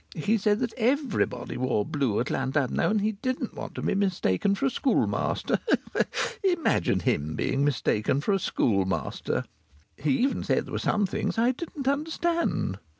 He said that everybody wore blue at Llandudno, and he didn't want to be mistaken for a schoolmaster! Imagine him being mistaken for a schoolmaster! He even said there were some things I didn't understand!